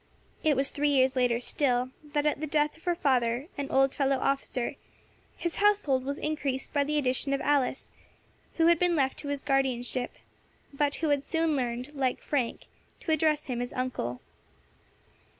It was three years later still, that, at the death of her father, an old fellow officer, his household was increased by the addition of Alice, who had been left to his guardianship, but who had soon learned, like Frank, to address him as uncle.